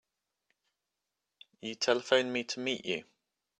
You telephoned me to meet you.